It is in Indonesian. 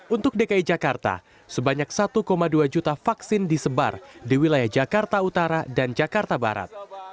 untuk dki jakarta sebanyak satu dua juta vaksin disebar di wilayah jakarta utara dan jakarta barat